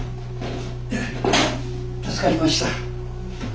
助かりました。